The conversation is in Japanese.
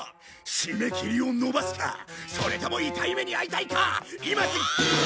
締め切りを延ばすかそれとも痛い目に遭いたいか今すぐ。